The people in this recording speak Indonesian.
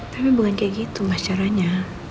tapi bukan kayak gitu mas caranya